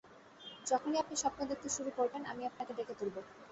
যখনই আপনি স্বপ্ন দেখতে শুরু করবেন, আমি আপনাকে ডেকে তুলব।